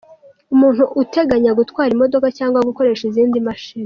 Umuntu uteganya gutwara imodoka cg gukoresha izindi mashini.